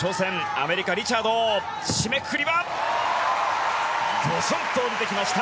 アメリカのリチャード締めくくりはドスンと下りてきました。